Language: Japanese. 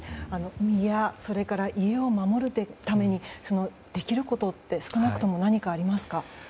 身や家を守るためにできることは少なくとも何かありますか？